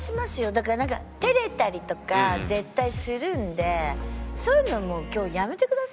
だからなんか照れたりとか絶対するんでそういうのはもう今日やめてくださいね。